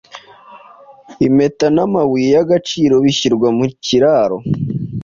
Impeta namabuye yagaciro bishyirwa mu kiraro